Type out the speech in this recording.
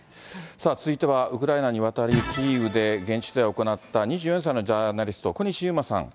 続いてはウクライナにわたり、キーウで現地取材を行った２４歳のジャーナリスト、小西遊馬さん。